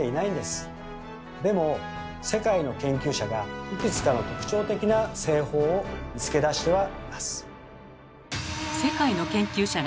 でも世界の研究者がいくつかの特徴的な製法を見つけ出してはいます。